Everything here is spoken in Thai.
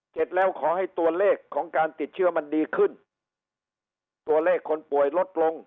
เสร็จแล้วขอให้ตัวเลขของการติดเชื้อมันดีขึ้นตัวเลขคนป่วยลดลง